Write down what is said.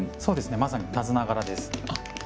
まさに手綱柄です。